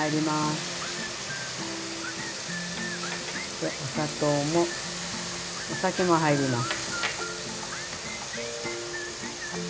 でお砂糖もお酒も入ります。